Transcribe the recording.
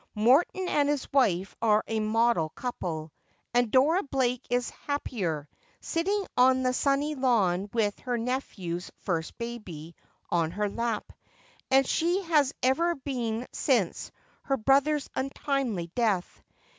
Morton and his wife are a model couple : and Dora Blake is happier, sitting on the sunny lawn with her nephew's first baby on her lap, than she has ever been since her brother's untimely death.